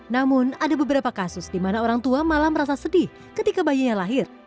namun ada beberapa kasus di mana orang tua malah merasa sedih ketika bayinya lahir